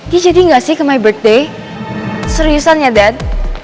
dia jadi gak sih ke my birthday seriusan ya dad